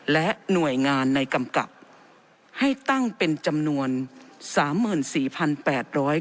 และหน่วยงานในกำกับให้ตั้งเป็นจำนวนสามหมื่นสี่พันแปดร้อย